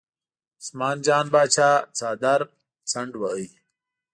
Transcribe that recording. عثمان جان پاچا څادر څنډ واهه.